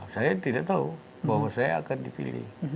saya tidak tahu bahwa saya akan dipilih